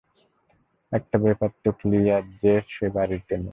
একটা ব্যাপার তো ক্লিয়ার যে সে বাড়িতে নেই।